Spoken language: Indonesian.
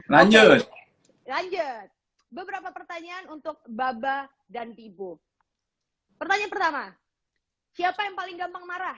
lanjut lanjut beberapa pertanyaan untuk baba dan ibu pertanyaan pertama siapa yang paling gampang marah